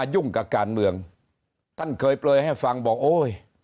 ยุ่งกับการเมืองท่านเคยเปลยให้ฟังบอกโอ้ย